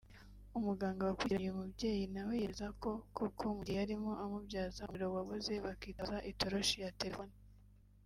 umuganga wakurikiranye uyu mubyeyi nawe yemeza ko koko mugihe yarimo amubyaza umuriro wabuze bakitabaza itoroshi ya telephone